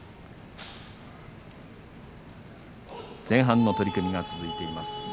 前半の取組が続いています。